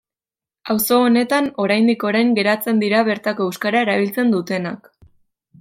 Auzo honetan oraindik orain geratzen dira bertako euskara erabiltzen dutenak.